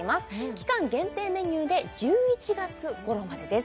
期間限定メニューで１１月頃までです